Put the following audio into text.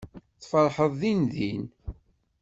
Tfeṛḥeḍ dindin.